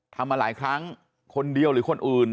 มาหลายครั้งคนเดียวหรือคนอื่น